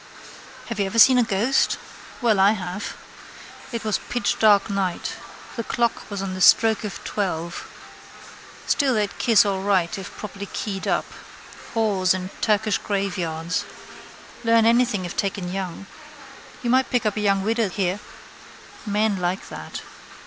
Have you ever seen a ghost? Well, I have. It was a pitchdark night. The clock was on the stroke of twelve. Still they'd kiss all right if properly keyed up. Whores in Turkish graveyards. Learn anything if taken young. You might pick up a young widow here. Men like that.